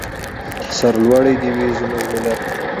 سرلوړی دې وي زموږ ملت.